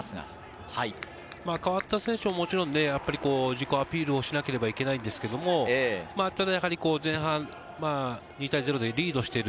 代わった選手、もちろん自己アピールをしなければいけないんですけど、前半、２対０でリードしている。